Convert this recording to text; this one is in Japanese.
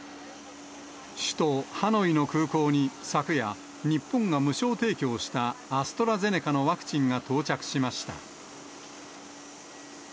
首都ハノイの空港に昨夜、日本が無償提供したアストラゼネカのワクチンが到着しました。